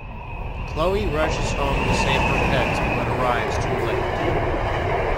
Chloe rushes home to save her pets but arrives too late.